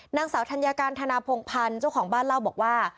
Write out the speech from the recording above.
นางสาวธัญการธนาพงพันธ์เจ้าของบ้านเล่าบอกว่า